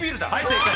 正解。